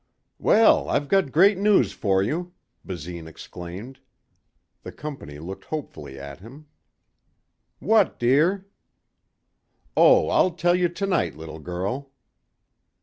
"Well, I've got great news for you," Basine exclaimed. The company looked hopefully at him. "What, dear?" "Oh, I'll tell you tonight, little girl."